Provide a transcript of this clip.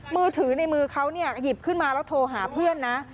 มือถือในมือเขาเนี่ยหยิบขึ้นมาแล้วโทรหาเพื่อนนะ